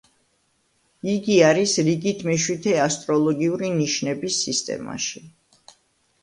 იგი არის რიგით მეშვიდე ასტროლოგიური ნიშნების სისტემაში.